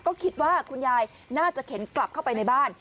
ก็คิดว่าคุณยายน่าจะเข็นกลับเข้าไปในบ้าน